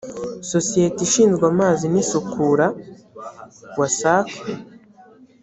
sosiyete ishinzwe amazi n isukura wasac